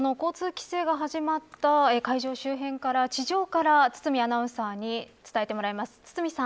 その交通規制が始まった会場周辺から地上から、堤アナウンサーに伝えてもらいます。